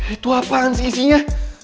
itu apaan sih isinya